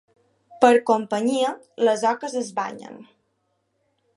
Per companyia les oques es banyen.